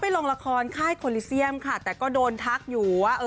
ลงละครค่ายโคลิเซียมค่ะแต่ก็โดนทักอยู่ว่าเออ